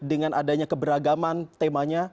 dengan adanya keberagaman temanya